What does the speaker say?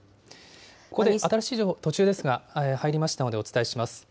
ここで新しい情報、途中ですが入りましたので、お伝えします。